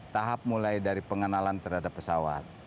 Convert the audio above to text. tahap mulai dari pengenalan terhadap pesawat